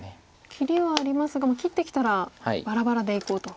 切りはありますが切ってきたらばらばらでいこうと。